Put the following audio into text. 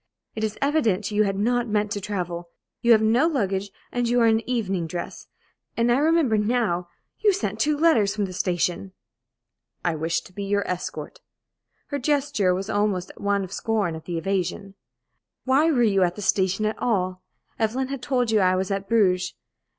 "It is evident you had not meant to travel. You have no luggage, and you are in evening dress. And I remember now you sent two letters from the station!" "I wished to be your escort." Her gesture was almost one of scorn at the evasion. "Why were you at the station at all? Evelyn had told you I was at Bruges.